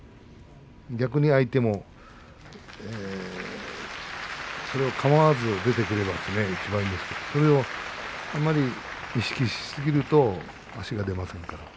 逆に相手もそれをかまわず出てくればいちばんいいんですけどあんまりそれを意識しすぎると足が出ませんから。